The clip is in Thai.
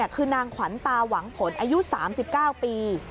คือนางขวัญตาหวังผลอายุ๓๙ปี